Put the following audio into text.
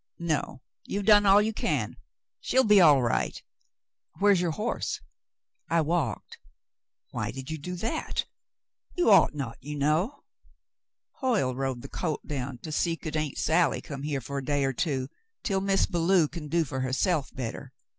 "No, you've done all you can. She'll be all right. Where's your horse ?" "I walked." "Why did you do that ? You ought not, you know." "Hoyle rode the colt down to see could Aunt Sally come here for a day or two, until Miz Belew can do for herself better."